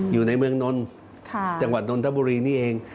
อยู่ในเมืองนนท์จังหวัดนนทบุรีนี่เอง